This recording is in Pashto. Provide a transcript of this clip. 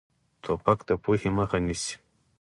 توپک د پوهې مخه نیسي.